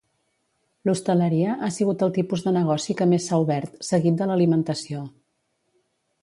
L'hostaleria ha sigut el tipus de negoci que més s'ha obert, seguit de l'alimentació.